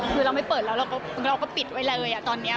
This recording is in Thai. คือเราไม่เปิดแล้วเราก็ปิดไว้เลยตอนนี้